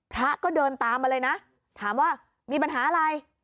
พระก็เดินตามมาเลยนะถามว่ามีปัญหาอะไร